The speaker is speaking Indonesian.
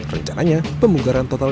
rencananya pemunggaran total